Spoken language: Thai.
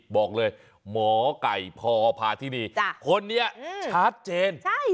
บอกเลยหมอไก่พอพาที่นี่คนนี้ชัดเจน